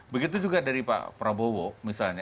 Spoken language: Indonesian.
begitu juga dari pak prabowo misalnya